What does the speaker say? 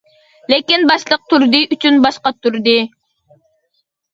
لېكىن باشلىق تۇردى ئۈچۈن باش قاتۇردى.